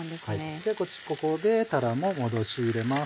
ここでたらも戻し入れます。